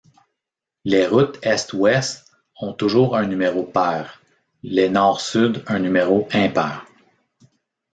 Les routes est-ouest ont toujours un numéro pair, les nord-sud un numéro impair.